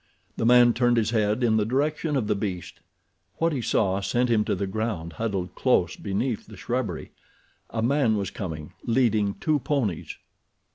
The man turned his head in the direction of the beast. What he saw sent him to the ground, huddled close beneath the shrubbery—a man was coming, leading two ponies.